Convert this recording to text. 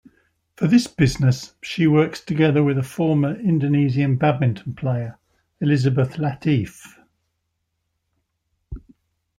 For this business, she works together with a former Indonesian badminton player, Elizabeth Latief.